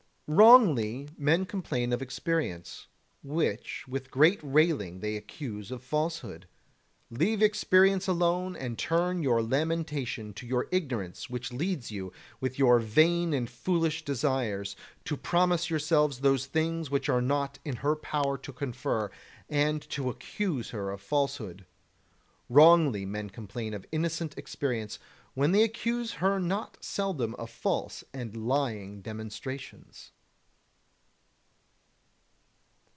Wrongly men complain of experience, which with great railing they accuse of falsehood. Leave experience alone, and turn your lamentation to your ignorance, which leads you, with your vain and foolish desires, to promise yourselves those things which are not in her power to confer, and to accuse her of falsehood. Wrongly men complain of innocent experience, when they accuse her not seldom of false and lying demonstrations.